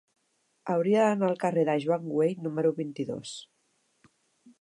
Hauria d'anar al carrer de Joan Güell número vint-i-dos.